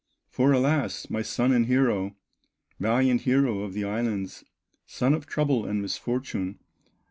For alas! my son and hero, Valiant hero of the islands, Son of trouble and misfortune!